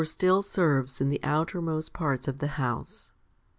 HOMILY L 311 serves in the outermost parts of the house.